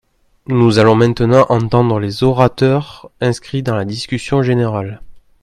Nous allons maintenant entendre les orateurs inscrits dans la discussion générale.